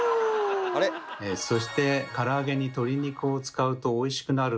そしてから揚げに鶏肉を使うとおいしくなる